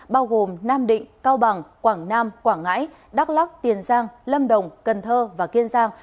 bao gồm nam định cao bằng quảng nam quảng ngãi đắk lắc tiền giang lâm đồng cần thơ và kiên giang